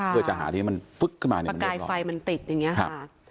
เพื่อจะหาที่ให้มันฟึ๊กขึ้นมาประกายไฟมันติดอย่างเงี้ค่ะ